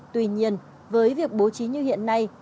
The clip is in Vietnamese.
tuy nhiên với việc bố trí như hiện nay